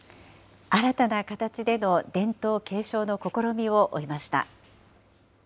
新たな形での伝統継承の試みを追いました。